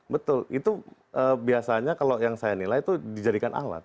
betul itu biasanya kalau yang saya nilai itu dijadikan alat